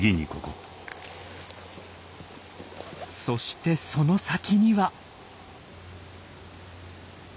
そしてその先には。